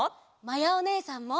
まやおねえさんも。